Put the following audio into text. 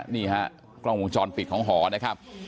นี่ฮะกล้องวงจรปิดของหอนะครับ